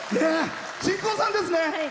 新婚さんですね！